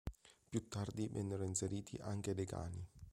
Più tardi vennero inseriti anche dei cani.